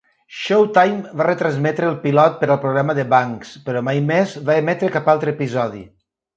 Showtime va retransmetre el pilot per al programa de Banks, però mai més va emetre cap altre episodi.